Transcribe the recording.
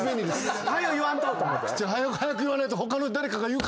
早言わんとと思って？